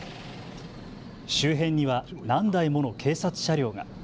周辺には何台もの警察車両が。